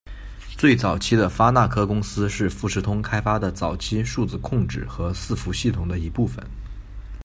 最早期的发那科公司是富士通开发的早期数字控制和伺服系统的一部分。